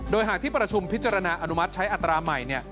โดยหากที่ประชุมพิจารณาอนุมัติใช้อัตราใหม่